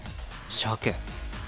しゃけ。